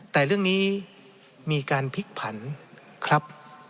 แต่เรื่องนี้มีการพลิกผันครับ